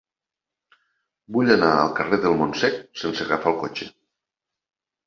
Vull anar al carrer del Montsec sense agafar el cotxe.